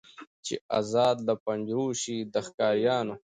چي آزاد له پنجرو سي د ښکاریانو